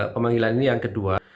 pemanggilan ini yang kedua